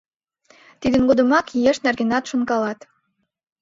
Тидын годымак еш нергенат шонкалат.